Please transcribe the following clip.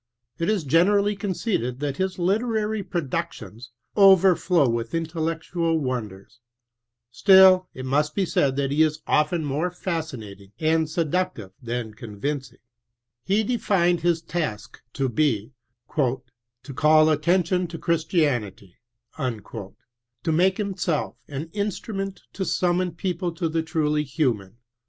It is generally concedra tluit his literary productions overflow with intellectual won ders, still it must be said that he is often more fascinating and seductive than convinc %, [e defined his task to be " to call attention to Christianity," to make himself an instru ment to sunmion people to the truly Human.